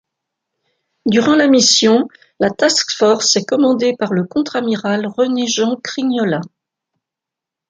Durant la mission la task force est commandée par le contre-amiral René-Jean Crignola.